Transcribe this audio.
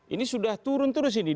ini sudah turun terus ini